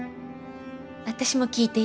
私も聞いていい？